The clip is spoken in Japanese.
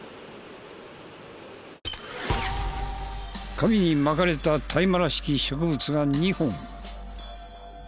紙に巻かれた大麻らしき植物が２本。